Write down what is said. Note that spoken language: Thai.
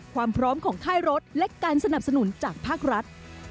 ความพร้อมของค่ายรถและการสนับสนุนจากภาครัฐ